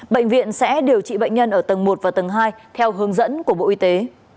bệnh viện sẽ điều trị bệnh nhân ở tầng một và tầng hai theo hướng dẫn của bộ y tế